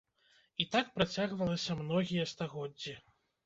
І так працягвалася многія стагоддзі.